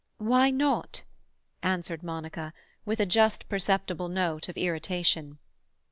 "Why not?" answered Monica, with a just perceptible note of irritation.